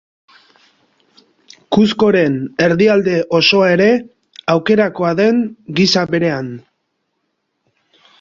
Cuzcoren erdialde osoa ere aukerakoa den gisa berean.